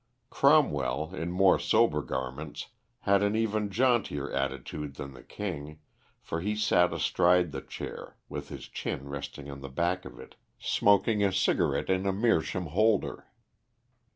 Cromwell, in more sober garments, had an even jauntier attitude than the King, for he sat astride the chair, with his chin resting on the back of it, smoking a cigarette in a meerschaum holder.